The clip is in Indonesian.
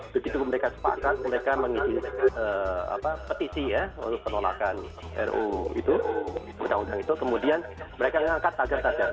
begitu mereka sepakat mereka mengisi petisi ya untuk penolakan ru itu kemudian mereka mengangkat tagar tagar